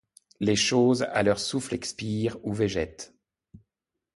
Les choses à leur souffle expirent ou végètent.